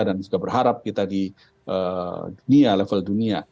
dan juga berharap kita di dunia level dunia